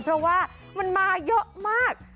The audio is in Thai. เพราะว่ามันมาเยอะมาก